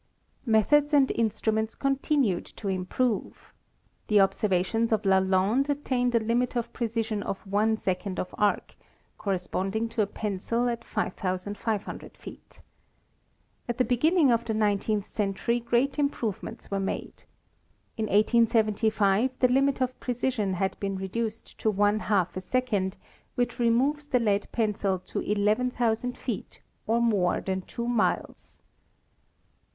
Methods and instruments continued to improve. The observations of Lalande attained a limit of precision of one second of arc, corresponding to a pencil at 5,500 feet. At the beginning of the nineteenth century great improve ments were made. In 1875 the limit of precision had been reduced to one half a second, which removes the lead pen cil to 11,000 feet or more than 2 miles.